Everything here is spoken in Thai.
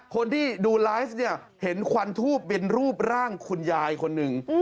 คนที่ดูไลฟ์เนี่ยเห็นควันทูบเป็นรูปร่างคุณยายคนหนึ่ง